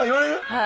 はい。